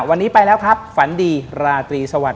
วันนี้ไปแล้วครับฝันดีราตรีสวัสดี